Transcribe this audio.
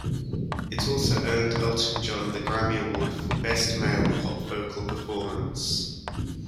It also earned Elton John the Grammy Award for Best Male Pop Vocal Performance.